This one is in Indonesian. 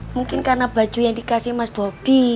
mungkin karena baju yang dikasih mas bobi